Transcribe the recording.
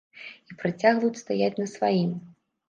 І працягваюць стаяць на сваім.